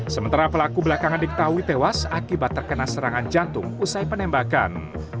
sementara pelaku belakangan diketahui tewas akibat terkena serangan jantung usai penembakan